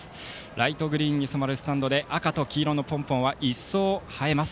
ライトグリーンに染まるスタンドで赤と黄色のポンポンはいっそう映えます。